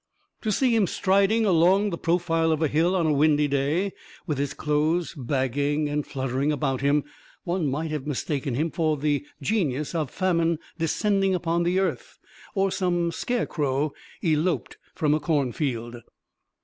To see him striding along the profile of a hill on a windy day, with his clothes bagging and fluttering about him, one might have mistaken him for the genius of famine descending upon the earth, or some scarecrow eloped from a cornfield.